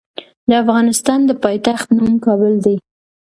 د افغانستان د پايتخت نوم کابل دی.